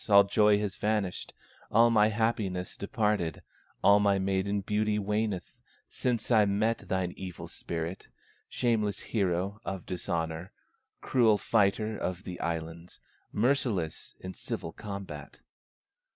all joy has vanished, All my happiness departed, All my maiden beauty waneth Since I met thine evil spirit, Shameless hero of dishonor, Cruel fighter of the islands, Merciless in civil combat."